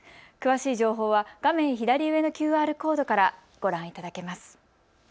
詳しい情報は画面左上のＱＲコードからご覧いただけます。